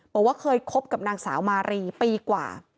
บอกว่าเคยคบกับนางสาวมารีปีกว่า